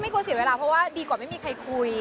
เพราะว่าดีกว่าไม่มีใครคุย